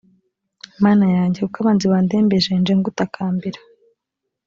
mana yanjye kuko abanzi bandembeje nje ngutakambira